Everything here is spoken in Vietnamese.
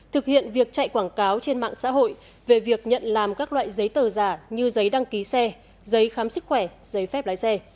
thực hiện việc chạy quảng cáo trên mạng xã hội về việc nhận làm các loại giấy tờ giả như giấy đăng ký xe giấy khám sức khỏe giấy phép lái xe